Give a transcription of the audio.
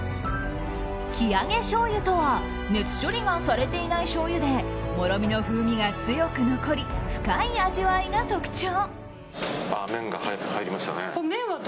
生揚げしょうゆとは熱処理がされていないしょうゆでもろみの風味が強く残り深い味わいが特徴。